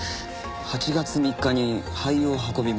８月３日に廃油を運びます。